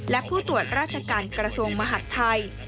และผู้ตรวจราชการกระทรวงมหัฐไทย